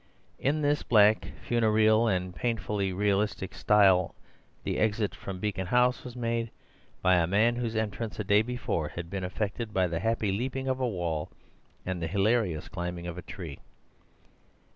In this black, funereal, and painfully realistic style the exit from Beacon House was made by a man whose entrance a day before had been effected by the happy leaping of a wall and the hilarious climbing of a tree.